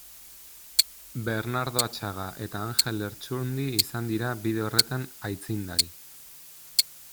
Bernardo Atxaga eta Anjel Lertxundi izan dira bide horretan aitzindari.